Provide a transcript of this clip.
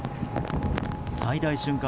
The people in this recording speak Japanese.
最大瞬間